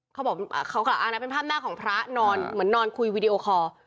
เขาบอกเขากล่าวอ้างนะเป็นภาพหน้าของพระนอนเหมือนนอนคุยวีดีโอคอร์